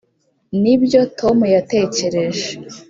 nibyo tom yatekereje.